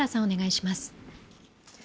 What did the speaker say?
お願いします。